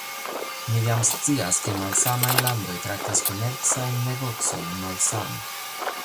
Mi jam scias, ke malsamaj landoj traktas komercajn negocojn malsame